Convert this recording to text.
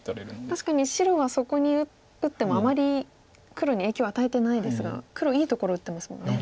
確かに白はそこに打ってもあまり黒に影響与えてないですが黒いいところ打ってますもんね。